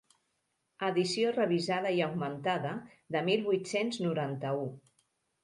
Edició revisada i augmentada de mil vuit-cents noranta-u.